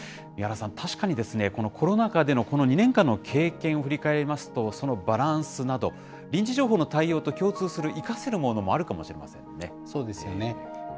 宮原さん、確かにコロナ禍でのこの２年間の経験を振り返りますと、そのバランスなど、臨時情報の対応と共通する生かせるものもあるそうですよね。